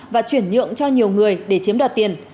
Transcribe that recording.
và chuyển nhượng cho nhiều người để chiếm đoạt tiền